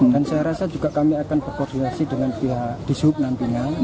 dan saya rasa kami juga akan berkoordinasi dengan pihak di sub nantinya